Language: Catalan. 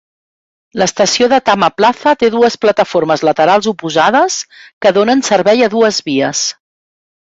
L'estació de Tama Plaza té dues plataformes laterals oposades que donen servei a dues vies.